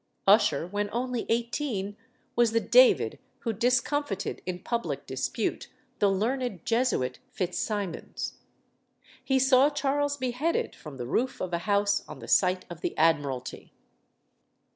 Ussher, when only eighteen, was the David who discomfited in public dispute the learned Jesuit Fitz Simons. He saw Charles beheaded from the roof of a house on the site of the Admiralty.